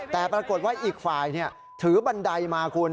แต่ปรากฏว่าอีกฝ่ายถือบันไดมาคุณ